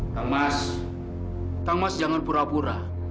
kang mas kang mas jangan pura pura